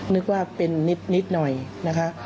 นึกว่าเป็นนิดหน่อยนะคะ